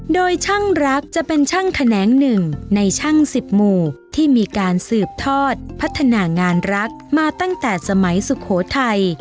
โดยช่างรักจะเป็นช่างแขนงหนึ่งในช่างสิบหมู่ที่มีการสืบทอดพัฒนางานรักมาตั้งแต่สมัยสุโขทัย